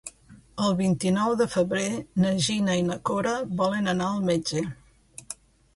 El vint-i-nou de febrer na Gina i na Cora volen anar al metge.